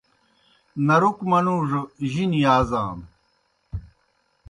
نَرُک منُوڙوْ جِنیْ یازانوْ۔